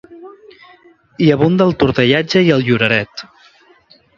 Hi abunda el tortellatge i el lloreret.